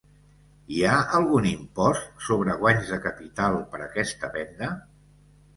Hi ha algun impost sobre guanys de capital per aquesta venda?